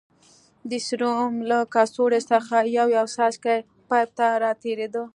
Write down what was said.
د سيروم له کڅوړې څخه يو يو څاڅکى پيپ ته راتېرېده.